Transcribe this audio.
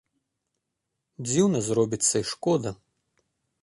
Дзіўна зробіцца й шкода.